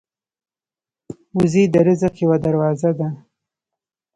وزې د رزق یوه دروازه ده